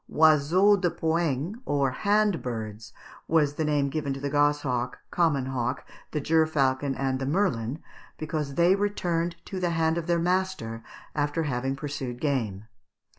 Oiseaux de poing, or hand birds, was the name given to the gosshawk, common hawk, the gerfalcon, and the merlin, because they returned to the hand of their master after having pursued game.